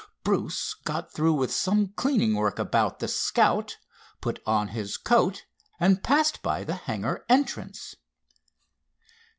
Bruce got through with some cleaning work about the Scout, put on his coat and passed by the hangar entrance.